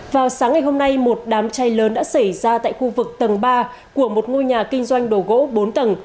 vào sáng ngày hôm nay một đám cháy lớn đã xảy ra tại khu vực tầng ba của một ngôi nhà kinh doanh đồ gỗ bốn tầng